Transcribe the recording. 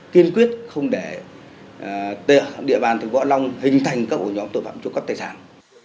kiên quyết không để địa bàn thành phố hạ long hình thành các ổ nhóm tội phạm trộm cắp tài sản